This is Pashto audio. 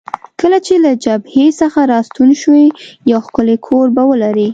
کله چې له جبهې څخه راستون شوې، یو ښکلی کور به ولرې.